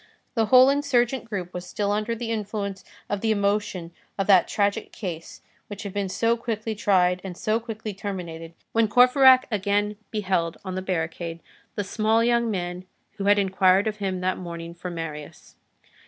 The whole insurgent group was still under the influence of the emotion of that tragic case which had been so quickly tried and so quickly terminated, when Courfeyrac again beheld on the barricade, the small young man who had inquired of him that morning for Marius.